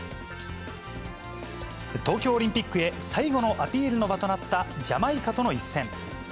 東京オリンピックへ最後のアピールの場となった、ジャマイカとの一戦。